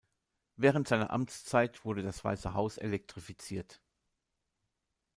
Während seiner Amtszeit wurde das Weiße Haus elektrifiziert.